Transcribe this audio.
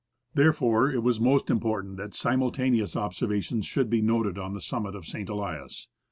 There fore it was most important that simultaneous observations should be noted on the summit of St. Elias.